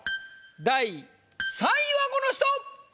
第３位はこの人！